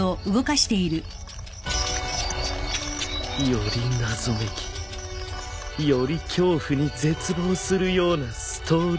より謎めきより恐怖に絶望するようなストーリーシナプスを。